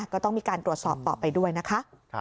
ก็ต้องมีการตรวจสอบต่อไปด้วยนะคะ